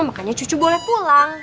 makanya cucu boleh pulang